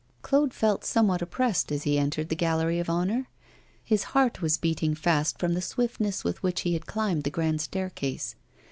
Claude felt somewhat oppressed as he entered the Gallery of Honour. His heart was beating fast from the swiftness with which he had climbed the grand staircase.